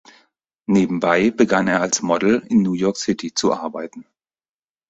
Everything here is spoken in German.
Nebenbei begann er als Model in New York City zu arbeiten.